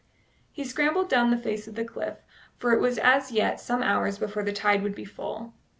He scrambled down the face of the cliff, for it was as yet some hours before the tide would be full.